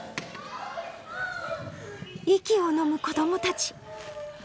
息をのむ子どもたち。